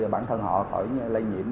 bản thân họ khỏi lây nhiễm